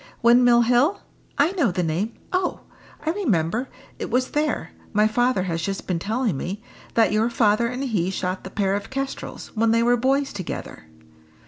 "Windmill Hill? I know the name. Oh! I remember: it was there my father has just been telling me that your father and he shot the pair of kestrels, when they were boys together."